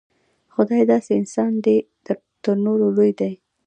خدای داسې انسان دی چې تر نورو لوی دی.